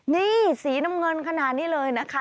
นี่สีน้ำเงินขนาดนี้เลยนะคะ